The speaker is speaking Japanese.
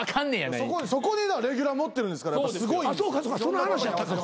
そこでレギュラー持ってるんですからやっぱすごいんです。